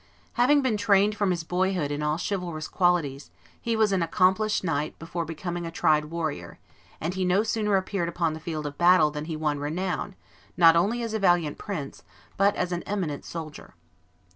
Having been trained from his boyhood in all chivalrous qualities, he was an accomplished knight before becoming a tried warrior; and he no sooner appeared upon the field of battle than he won renown not only as a valiant prince, but as an eminent soldier.